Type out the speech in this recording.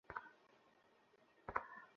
সে যানে নিজের ইচ্ছায় বেঁচে থাকার মূল্যে কি হয়।